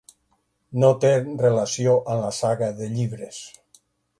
No té relació amb la saga de llibres.